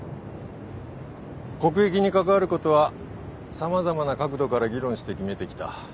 国益に関わることは様々な角度から議論して決めてきた。